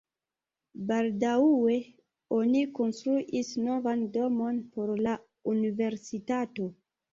Baldaŭe oni konstruis novan domon por la universitato.